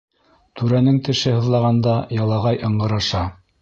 Түрәнең теше һыҙлағанда ялағай ыңғыраша.